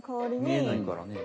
見えないからね。